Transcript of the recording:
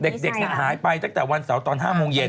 ใช่เด็กอ่ะหายไปตั้งแต่วันเสาร์ตอนห้าโมงเย็น